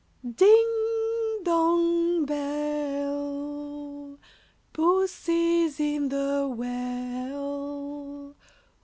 ] Ding Dong Bell, Pussy's in the well.